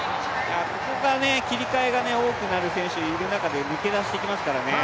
ここが切り替えが多くある選手がいる中で抜け出していきますからね。